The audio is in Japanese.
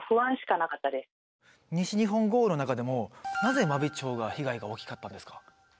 西日本豪雨の中でもなぜ真備町が被害が大きかったんですか？